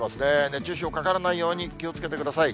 熱中症かからないように気をつけてください。